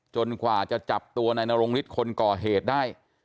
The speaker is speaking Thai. กว่าจะจับตัวนายนรงฤทธิ์คนก่อเหตุได้